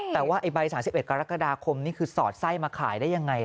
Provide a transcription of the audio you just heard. แต่ว่าไอ้ใบ๓๑กรกฎาคมนี่คือสอดไส้มาขายได้ยังไง